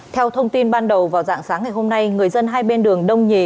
theo thông tin ban đầu vào dạng sáng ngày hôm nay người dân hai bên đường đông nhì